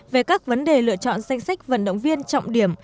về các vấn đề lựa chọn danh sách vận động viên trọng điểm